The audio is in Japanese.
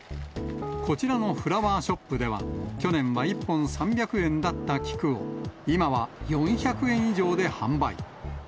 こちらのフラワーショップでは、去年は１本３００円だった菊を、今は４００円以上で販売。